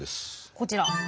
こちら。